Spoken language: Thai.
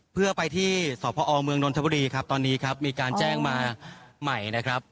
เพื่อไปที่สพเมืองนนทบุรีครับตอนนี้ครับมีการแจ้งมาใหม่นะครับ